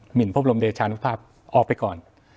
หินพระบรมเดชานุภาพออกไปก่อน